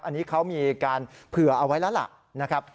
อันนี้เขามีการเผื่อเอาไว้แล้วล่ะนะครับ